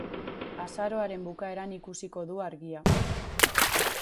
Azaroaren bukaeran ikusiko du argia.